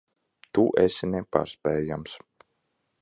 Tu esi nepārspējams.